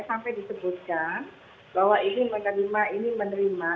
sampai disebutkan bahwa ini menerima ini menerima